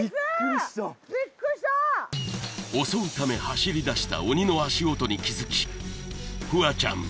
襲うため走りだした鬼の足音に気づきフワちゃん